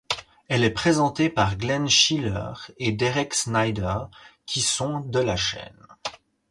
Elle est présentée par Glenn Schiiler et Derek Snider qui sont de la chaîne.